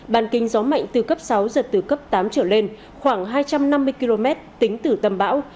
bàn kinh gió mạnh từ cấp sáu giật từ cấp tám trở lên khoảng hai trăm năm mươi km tính từ tâm bão